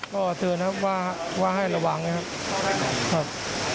ขออธิวนครับว่าให้ระวังนะครับ